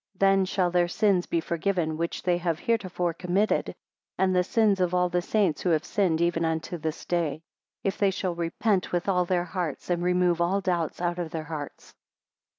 13 Then shall their sins be forgiven, which they have heretofore committed, and the sins of all the saints who have sinned even unto this day; if they shall repent with all their hearts, and remove all doubts out of their hearts.